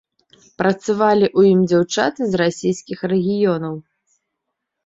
Працавалі ў ім дзяўчаты з расійскіх рэгіёнаў.